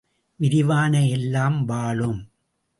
விரிவன எல்லாம் வாழும்.